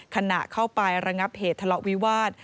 ขณะเข้าไประงับเหตุทะเลาะวิวาส